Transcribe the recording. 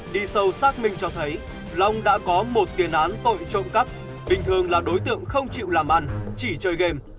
đi sâu xác minh cho thấy long đã có một tiền án tội trộm cắp bình thường là đối tượng không chịu làm ăn chỉ chơi game